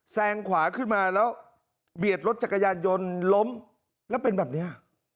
ขวาขึ้นมาแล้วเบียดรถจักรยานยนต์ล้มแล้วเป็นแบบเนี้ย